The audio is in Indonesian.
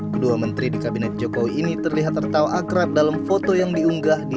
kedua menteri di kabinet jokowi ini terlihat tertawa akrab dalam foto yang diunggah di